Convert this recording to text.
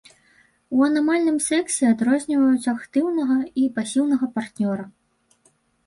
У анальным сексе адрозніваюць актыўнага і пасіўнага партнёра.